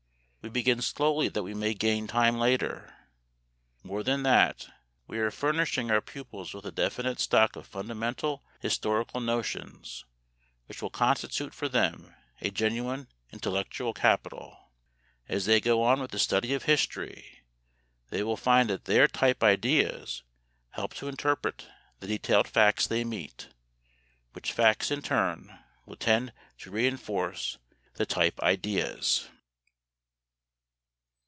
We begin slowly that we may gain time later. More than that, we are furnishing our pupils with a definite stock of fundamental historical notions which will constitute for them a genuine intellectual capital. As they go on with the study of history, they will find that their "type ideas" help to interpret the detailed facts they meet, which facts in turn will tend to re enforce the "type ideas."